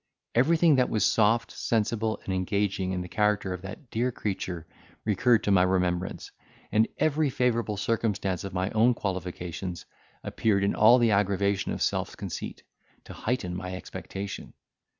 Everything, that was soft, sensible, and engaging, in the character of that dear creature recurred to my remembrance, and every favourable circumstance of my own qualifications appeared in all the aggravation of self conceit, to heighten my expectation!